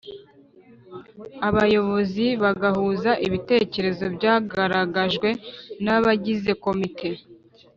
abayobozi bagahuza ibitekerezo byagaragajwe n’abagize komite,